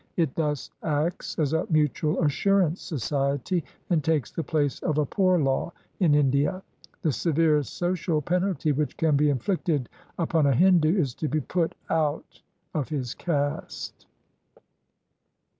It thus acts as a mutual assurance society and takes the place of a poor law in India. The severest social penalty which can be inflicted upon a Hindu is to be put out of his caste.